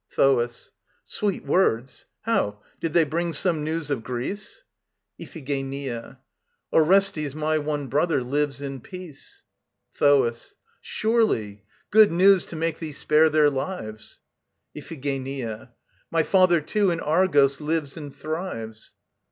THOAS. Sweet words? How, did they bring some news of Greece? IPHIGENIA. Orestes, my one brother, lives in peace. THOAS. Surely! Good news to make thee spare their lives ... IPHIGENIA. My father too in Argos lives and thrives.